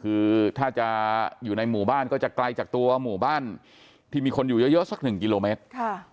คือถ้าจะอยู่ในหมู่บ้านก็จะไกลจากตัวหมู่บ้านที่มีคนอยู่เยอะสักหนึ่งกิโลเมตร